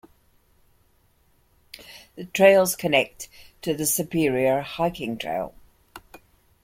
The trails connect to the Superior Hiking Trail.